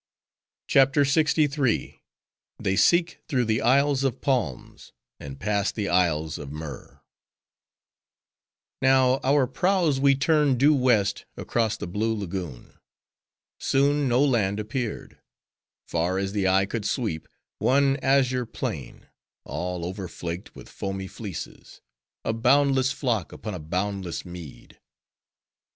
CHAPTER LXIII. They Seek Through The Isles Of Palms; And Pass The Isles Of Myrrh Now, our prows we turned due west, across the blue lagoon. Soon, no land appeared. Far as the eye could sweep, one azure plain; all over flaked with foamy fleeces:—a boundless flock upon a boundless mead!